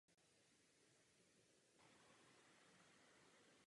Nejvyšších vodních stavů dosahuje v únoru a v březnu.